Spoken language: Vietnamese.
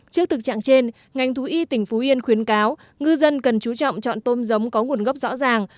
trước thực trạng trên ngành thú y tỉnh phú yên khuyến cáo ngư dân cần chú trọng chọn tôm giống có nguồn gốc rõ ràng